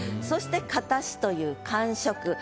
そして「硬し」という感触。